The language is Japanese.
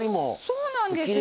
そうなんです。